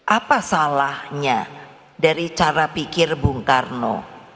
apa salahnya dari cara pikir bung karno